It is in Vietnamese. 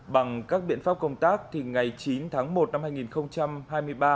bằng các biện pháp công tác ngày chín tháng một năm hai nghìn hai mươi ba